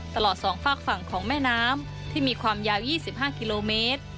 ตลอด๒ฝากฝั่งของแม่น้ำที่มีความยาว๒๕กิโลเมตร